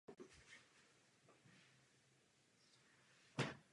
Vážení poslanci, toto přepracování nemůže bohužel vyřešit všechno.